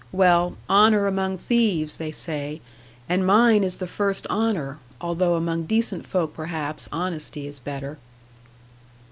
Well, "honour among thieves," they say; and mine is the first honour: although among decent folk perhaps, honesty is better.